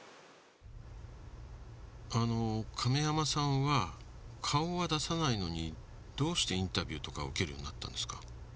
亀山さんは顔は出さないのにどうしてインタビューとかを受けるようになったんですか？